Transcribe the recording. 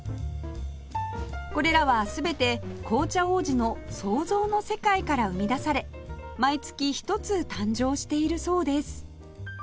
これらは全て紅茶王子の想像の世界から生み出され毎月１つ誕生しているそうです